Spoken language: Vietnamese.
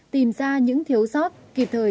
tìm ra những thiếu sót kịp thời